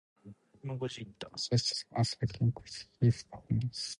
The judges once again criticized his performance.